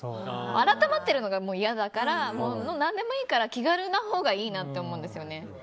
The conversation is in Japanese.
改まってるのが嫌だから何でもいいから気軽なほうがいいなって思うんですよね。